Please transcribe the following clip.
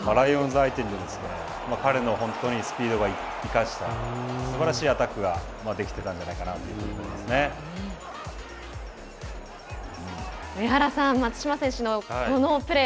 ライオンズ相手に本当に彼のスピードを生かしたすばらしいアタックができてたんじゃないかなと上原さん松島選手のこのプレー